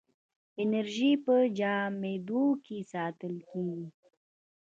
انرژي په جامدو کې ساتل کېږي.